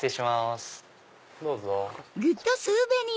どうぞ。